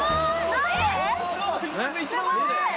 何で？